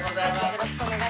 よろしくお願いします。